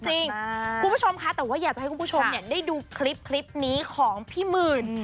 คุณผู้ชมค่ะแต่ว่าอยากจะให้คุณผู้ชมได้ดูคลิปนี้ของพี่หมื่น